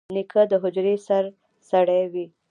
نیکه د حجرې سرسړی وي.